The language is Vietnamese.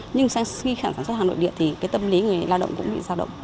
nhưng sang khi sản xuất hàng nội địa thì cái tâm lý người lao động cũng bị giao động